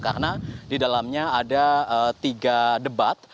karena di dalamnya ada tiga debat